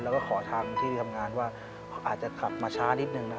แล้วก็ขอทางที่ทำงานว่าอาจจะขับมาช้านิดนึงนะครับ